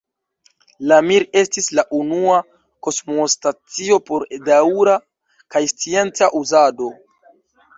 La Mir estis la unua kosmostacio por daŭra kaj scienca uzado.